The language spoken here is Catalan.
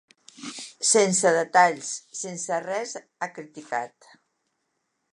Sense detalls, sense res, ha criticat.